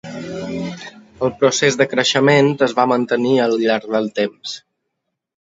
El procés de creixement es va mantenir al llarg del temps.